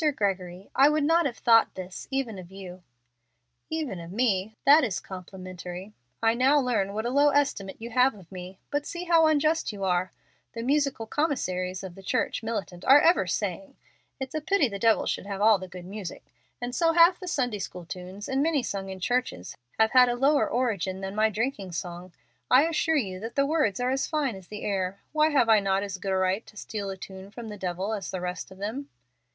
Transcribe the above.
"Mr. Gregory, I would not have thought this even of you." "Even of me! That is complimentary. I now learn what a low estimate you have of me. But see how unjust you are. The musical commissaries of the church militant are ever saying, 'It's a pity the devil should have all the good music,' and so half the Sunday school tunes, and many sung in churches, have had a lower origin than my drinking song. I assure you that the words are as fine as the air. Why have I not as good a right to steal a tune from the devil as the rest of them?"